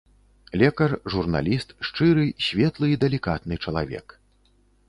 Лекар, журналіст, шчыры, светлы і далікатны чалавек.